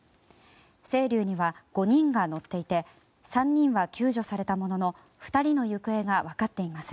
「せいりゅう」には５人が乗っていて３人は救助されたものの２人の行方が分かっていません。